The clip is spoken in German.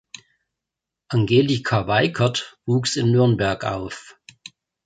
Angelika Weikert wuchs in Nürnberg auf.